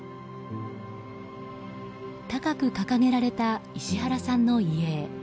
高く掲げられた石原さんの遺影。